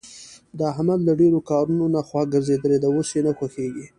د احمد له ډېرو کارونو نه خوا ګرځېدلې ده. اوس یې نه خوښږېږي.